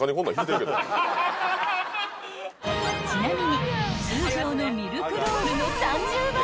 ［ちなみに通常のミルクロールの］